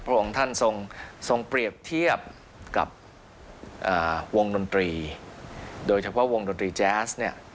องค์ท่านทรงเปรียบเทียบกับวงดนตรีโดยเฉพาะวงดนตรีแจ๊สเนี่ย